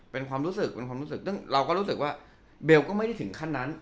เป็นความรู้สึกเราก็รู้สึกว่าเบลก็ไม่ได้ถึงขั้นนั้น